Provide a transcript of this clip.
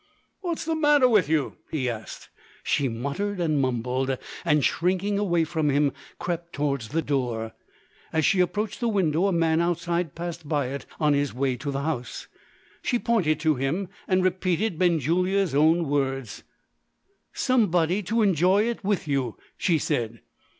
"What's the matter with you?" he asked. She muttered and mumbled and, shrinking away from him, crept towards the door. As she approached the window, a man outside passed by it on his way to the house. She pointed to him; and repeated Benjulia's own words: "Somebody to enjoy it with you," she said.